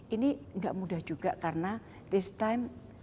ini nggak mudah juga karena this time